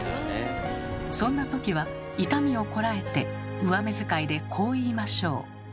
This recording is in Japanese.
そんなときは痛みをこらえて上目使いでこう言いましょう。